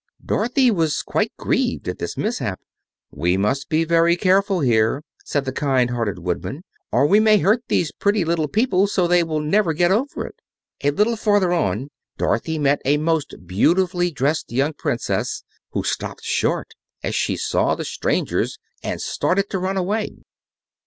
Dorothy was quite grieved at this mishap. "We must be very careful here," said the kind hearted Woodman, "or we may hurt these pretty little people so they will never get over it." A little farther on Dorothy met a most beautifully dressed young Princess, who stopped short as she saw the strangers and started to run away.